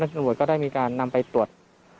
ทางเจ้าต้นจนวดก็ได้มีการนำไปตรวจ